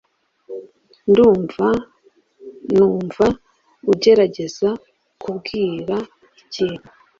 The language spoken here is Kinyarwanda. ndumva numva ugerageza kumbwira ikintu